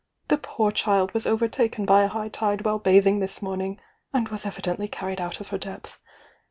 The poor child was overtaken by a high tide whUe bathing this morning, and was evidently carried out of her depth.